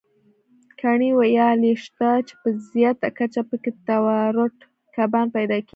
ګڼې ویالې شته، چې په زیاته کچه پکې تراوټ کبان پیدا کېږي.